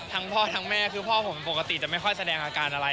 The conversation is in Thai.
พ่อทั้งแม่คือพ่อผมปกติจะไม่ค่อยแสดงอาการอะไร